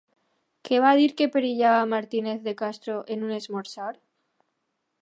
Què va dir que perillava Martínez de Castro en un esmorzar?